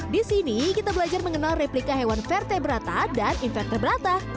di sini kita belajar mengenal replika hewan fertebrata dan invertebrata